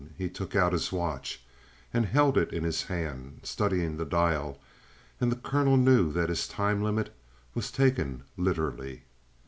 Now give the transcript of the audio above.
He took out his watch and held it in his hand, studying the dial, and the colonel knew that his time limit was taken literally.